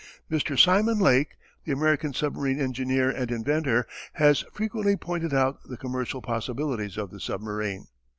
Mr. Simon Lake, the American submarine engineer and inventor, has frequently pointed out the commercial possibilities of the submarine.